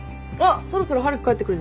そろそろ春樹帰ってくる時間だ。